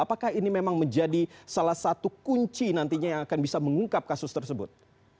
apakah ini memang menjadi salah satu kunci nantinya yang akan bisa mengungkap kasus tersebut